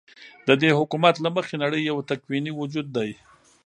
ددي حكومت له مخې نړۍ يو تكويني وجود دى ،